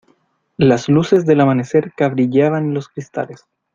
las luces del amanecer cabrilleaban en los cristales.